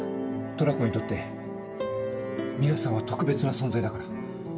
トラコにとって皆さんは特別な存在だから。